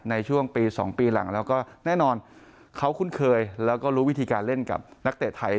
ในช่วงปี๒ปีหลังแล้วก็แน่นอนเขาคุ้นเคยแล้วก็รู้วิธีการเล่นกับนักเตะไทย